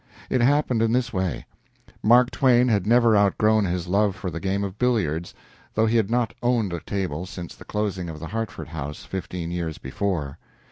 It happened in this way: Mark Twain had never outgrown his love for the game of billiards, though he had not owned a table since the closing of the Hartford house, fifteen years before.